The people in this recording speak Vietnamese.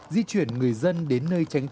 di chuyển người dân đến nơi tránh chết